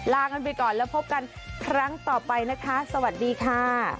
ลากันไปก่อนแล้วพบกันครั้งต่อไปนะคะสวัสดีค่ะ